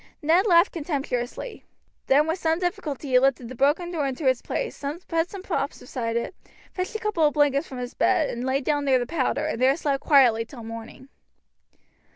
Ned laughed contemptuously. Then with some difficulty he lifted the broken door into its place, put some props behind it, fetched a couple of blankets from his bed, and lay down near the powder, and there slept quietly till morning.